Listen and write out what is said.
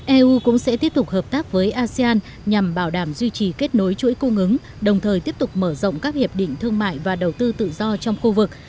eu cũng sẽ tiếp tục hợp tác với asean nhằm bảo đảm duy trì kết nối chuỗi cung ứng đồng thời tiếp tục mở rộng các hiệp định thương mại và đầu tư tự do trong khu vực